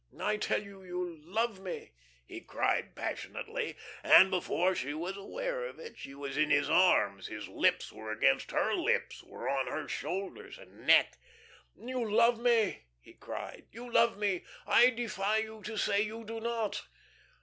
I tell you, you love me!" he cried, passionately, and before she was aware of it she was in his arms, his lips were against her lips, were on her shoulders, her neck. "You love me!" he cried. "You love me! I defy you to say you do not."